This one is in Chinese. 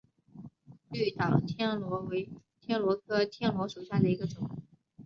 绿岛天螺为天螺科天螺属下的一个种。